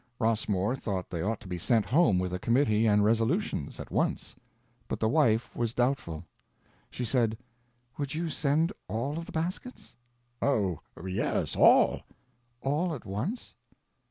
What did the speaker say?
Rossmore thought they ought to be sent home with a committee and resolutions,—at once. But the wife was doubtful. She said: "Would you send all of the baskets?" "Oh, yes, all." "All at once?"